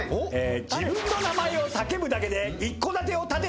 自分の名前を叫ぶだけで一戸建てを建てた男。